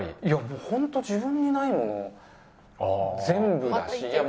いやホント自分にないもの全部だし。